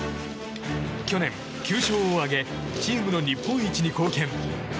去年９勝を挙げチームの日本一に貢献。